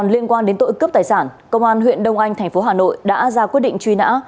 liên quan đến tội cướp tài sản công an huyện đông anh thành phố hà nội đã ra quyết định truy nã